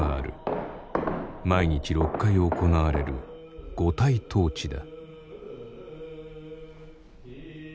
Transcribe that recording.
毎日６回行われる五体投地だ。